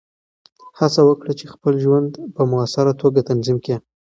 هڅه وکړه چې خپل ژوند په مؤثره توګه تنظیم کړې.